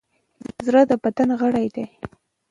زړه د بدن غړی دی.